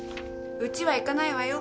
うちは行かないわよ。